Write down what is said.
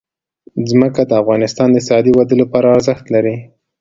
ځمکه د افغانستان د اقتصادي ودې لپاره ارزښت لري.